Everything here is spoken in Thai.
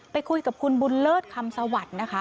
ไปคุยกับคุณบุญเลิศคำสวัสดิ์นะคะ